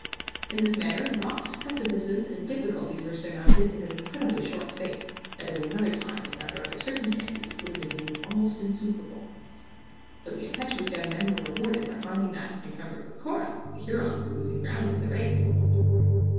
In this manner, rocks, precipices and difficulties were surmounted in an incredibly short space, that at another time, and under other circumstances, would have been deemed almost insuperable. But the impetuous young men were rewarded by finding that, encumbered with Cora, the Hurons were losing ground in the race.